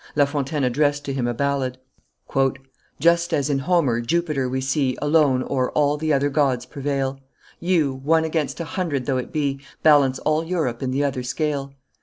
La Fontaine addressed to him a ballad: "Just as, in Homer, Jupiter we see Alone o'er all the other gods prevail; You, one against a hundred though it be, Balance all Europe in the other scale.